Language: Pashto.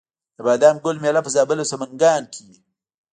د بادام ګل میله په زابل او سمنګان کې وي.